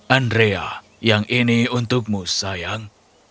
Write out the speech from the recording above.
andrea yang ini untukmu sayang